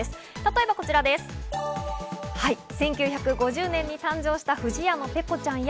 例えば１９５０年に誕生した不二家のペコちゃんや、